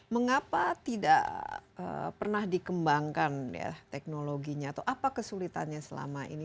mengapa tidak pernah dikembangkan ya teknologinya atau apa kesulitannya selama ini